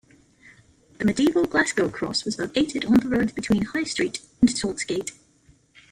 The medieval Glasgow Cross was located on the road between High Street and Saltgait.